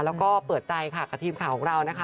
แล้วก็เปิดใจค่ะกับทีมข่าวของเรานะคะ